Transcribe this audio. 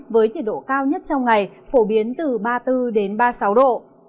với nhiệt độ cao nhất trong ngày phổ biến từ ba mươi bốn ba mươi sáu độ